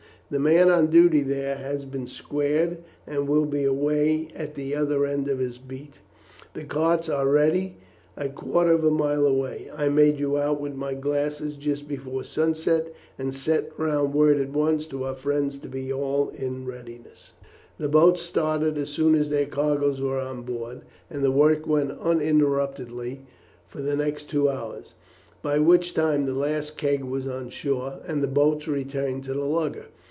The man on duty here has been squared, and will be away at the other end of his beat. The carts are ready, a quarter of a mile away. I made you out with my glass just before sunset, and sent round word at once to our friends to be in readiness." The boats started as soon as their cargoes were on board, and the work went on uninterruptedly for the next two hours, by which time the last keg was on shore, and the boats returned to the lugger.